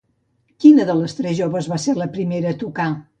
Quina de les joves va ser la primera a tocar?